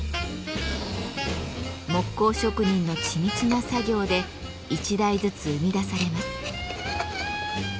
木工職人の緻密な作業で一台ずつ生み出されます。